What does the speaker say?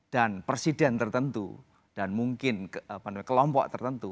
dan presiden tertentu dan mungkin kelompok tertentu